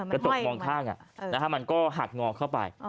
กระจกมองข้างมันก็หักงอเข้าไป